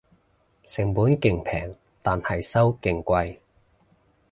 成本勁平但係收勁貴